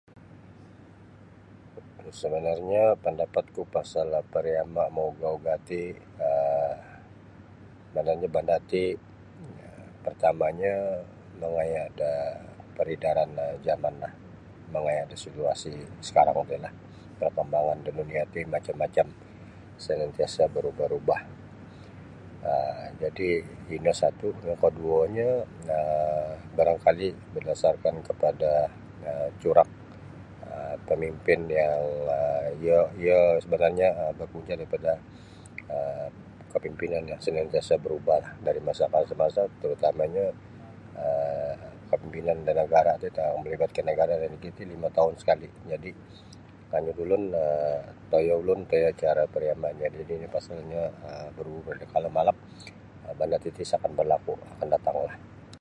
Sabanarnyo pandapat ku pasal pariama mauga-uga ti um sabanarnya banda ti um partamanyo mangaya da pardedaran um jaman lah mangaya da situasi sakarang ti lah parkambangan da dunia ti macam-macam santiasa barubah-rubah[um] ino satu yang keduonyo um barangkali bardasarkan kepada corak um pamimpin yang um iyo iyo sabanarnya barpunca daripada um kepimpinan yang sentiasa berubahlah dari masa ke semasa terutamanya[um] kapimpinan da nagara ti melibatkan negara iti lima tau sekali jadi kanyu da ulun toyo ulun toyo cara pariamanyo jadi ino lah pasalnyo um barubah kalau malap banda titi isa akan berlaku akan datang lah.